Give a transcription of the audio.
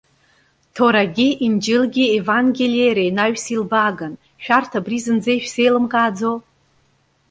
Ҭорагьы, Инџьылгьы Евангелие иара инаҩс илбааган. Шәарҭ абри зынӡа ишәзеилымкааӡо?